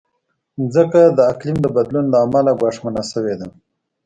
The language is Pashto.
مځکه د اقلیم د بدلون له امله ګواښمنه شوې ده.